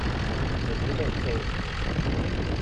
Netta dima yettaweḍ-d zik.